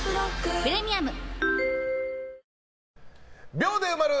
秒で埋まる！